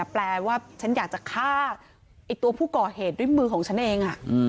แปลว่าฉันอยากจะฆ่าตัวผู้ก่อเหตุด้วยมือของฉันเอง